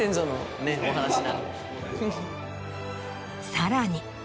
さらに。